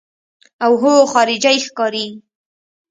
اوهو خارجۍ ښکاري.